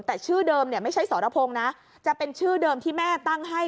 แต่ชื่อเดิมเนี่ยไม่ใช่สรพงศ์นะจะเป็นชื่อเดิมที่แม่ตั้งให้